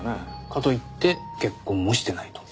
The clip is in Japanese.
かといって結婚もしてないと。